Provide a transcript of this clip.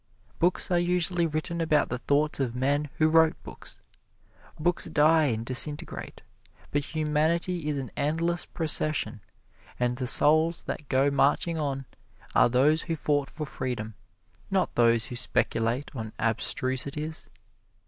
Books are usually written about the thoughts of men who wrote books. Books die and disintegrate, but humanity is an endless procession, and the souls that go marching on are those who fought for freedom, not those who speculate on abstrusities.